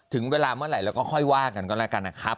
ถึงเวลาเมื่อไหร่แล้วก็ค่อยว่ากันก็แล้วกันนะครับ